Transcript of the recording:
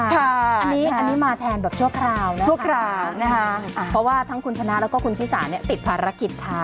ผมนี้มาแทนแบบชั่วคราวนะครับเพราะว่าทั้งคุณชนะแล้วก็คุณชิษาติดภารกิจค่ะ